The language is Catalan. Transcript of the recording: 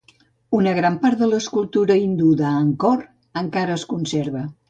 Una gran part de l'escultura hindú d'Angkor encara es conserva.